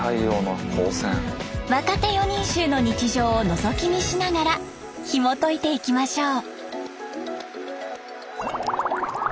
若手四人衆の日常をのぞき見しながらひもといていきましょう。